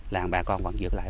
làng bà con vẫn dựng lại